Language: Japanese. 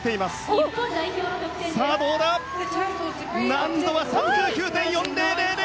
難度は３９．４０００！